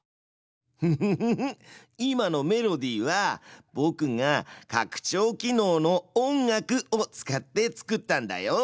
フフフフ今のメロディーはぼくが拡張機能の「音楽」を使って作ったんだよ！